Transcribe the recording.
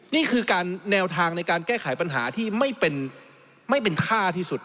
นี่คือการแนวทางในการแก้ไขปัญหาที่ไม่เป็นค่าที่สุด